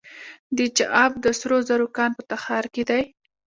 د چاه اب د سرو زرو کان په تخار کې دی.